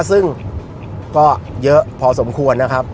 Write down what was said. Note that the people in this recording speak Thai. ซึ่งก็เยอะพอสมควรนะครับ